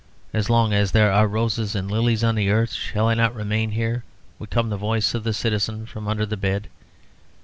"As long as there are roses and lilies on the earth shall I not remain here?" would come the voice of the citizen from under the bed.